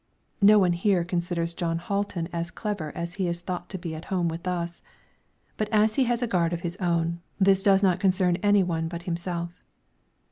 No one here considers Jon Hatlen as clever as he is thought to be at home with us; but as he has a gard of his own, this does not concern any one but himself.